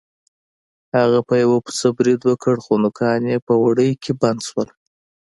هغه په یو پسه برید وکړ خو نوکان یې په وړۍ کې بند شول.